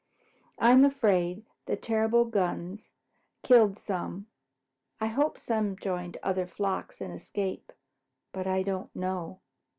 I am afraid the terrible guns killed some. I hope some joined other flocks and escaped, but I don't know."